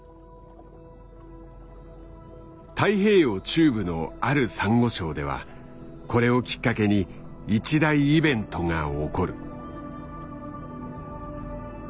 太平洋中部のあるサンゴ礁ではこれをきっかけに一大イベントが起こる。